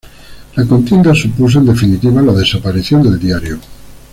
La contienda supuso, en definitiva, la desaparición del diario.